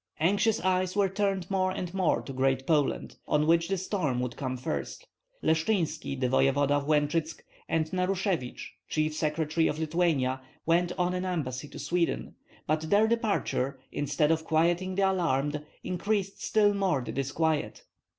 Anxious eyes were turned more and more to Great Poland, on which the storm would come first. Leshchynski, the voevoda of Lenchytsk, and Narushevich, chief secretary of Lithuania, went on an embassy to Sweden; but their departure, instead of quieting the alarmed, increased still more the disquiet.